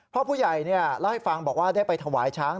พ่อผู้ใหญ่เล่าให้ฟังบอกว่าได้ไปถวายช้าง